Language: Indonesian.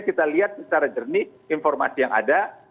kita lihat secara jernih informasi yang ada